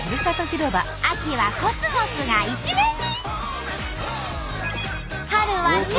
秋はコスモスが一面に！